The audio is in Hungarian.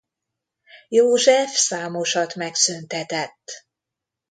József számosat megszüntetett.